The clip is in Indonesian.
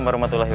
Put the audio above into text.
satu dua tiga ya